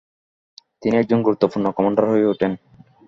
তিনি একজন গুরুত্বপূর্ণ কমান্ডার হয়ে উঠেন।